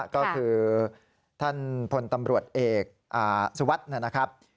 ก็คือท่านพลตำรวจเอกสุวัสดิ์นะครับ